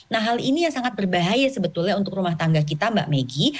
nah hal ini yang sangat berbahaya sebetulnya untuk rumah tangga kita mbak meggy